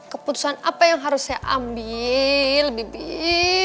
keputusan apa yang harus saya ambil lebih